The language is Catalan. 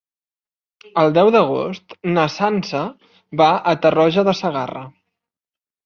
El deu d'agost na Sança va a Tarroja de Segarra.